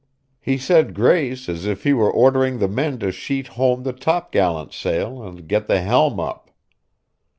He said grace as if he were ordering the men to sheet home the topgallant sail and get the helm up.